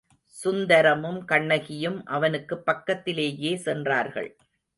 சுந்தரமும் கண்ணகியும் அவனுக்குப் பக்கத்திலேயே சென்றார்கள்.